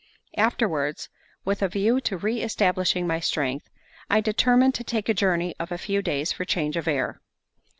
Afterwards, with a view to re establishing my strength, I determined to take a journey of a few days for change of air.